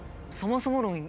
そもそも論